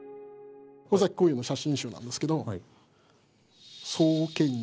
尾崎紅葉の写真集なんですけど壮健時。